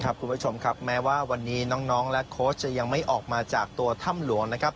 คุณผู้ชมครับแม้ว่าวันนี้น้องและโค้ชจะยังไม่ออกมาจากตัวถ้ำหลวงนะครับ